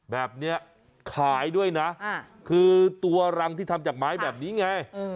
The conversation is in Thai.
แบบนี้ขายด้วยนะคือตัวรังที่ทำจากไม้แบบนี้ไง